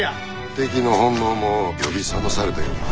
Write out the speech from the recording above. テキの本能も呼び覚まされたようだな。